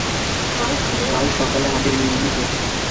কাল সকালে আগের নিয়মেই ক্লাস।